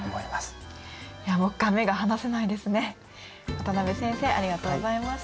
渡辺先生ありがとうございました。